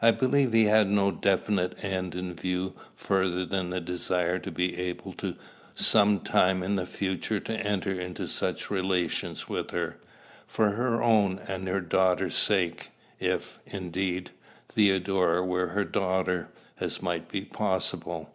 I believe he had no definite end in view further than the desire to be able at some future time to enter into such relations with her, for her own and her daughter's sake, if, indeed, Theodora were her daughter, as might be possible.